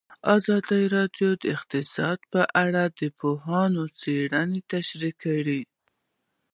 ازادي راډیو د اقتصاد په اړه د پوهانو څېړنې تشریح کړې.